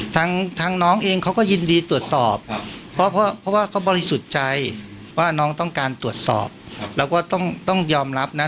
ทางน้องเองเขาก็ยินดีตรวจสอบเพราะว่าเขาบริสุทธิ์ใจว่าน้องต้องการตรวจสอบแล้วก็ต้องยอมรับนะ